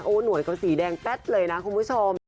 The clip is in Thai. โอ้หนวดกับสีแดงแป๊ดเลยนะคุณผู้ชม